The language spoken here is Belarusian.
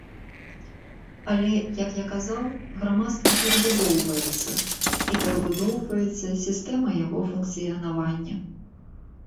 Але, як я казаў, грамадства перабудоўваецца, і перабудоўваецца сістэма яго функцыянавання.